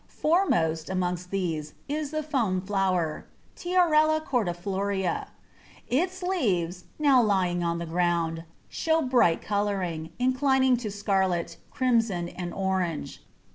Foremost amongst these is the Foam flower (Tiarella cordifolia). Its leaves, now lying on the ground, show bright colouring, inclining to scarlet, crimson, and orange.